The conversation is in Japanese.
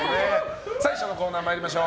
最初のコーナー参りましょう。